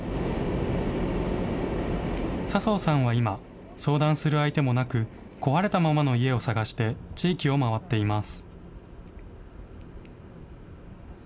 笹生さんは今、相談する相手もなく、壊れたままの家を探して地域を回っています。